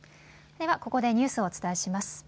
ではここでニュースをお伝えします。